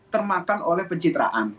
termakan oleh pencitraan